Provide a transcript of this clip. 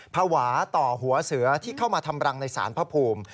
ภาวะต่อหัวเสือที่เข้ามาทำรังในสารพระภูมิ